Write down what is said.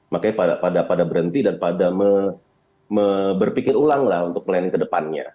makanya pada berhenti dan pada berpikir ulang lah untuk planning ke depannya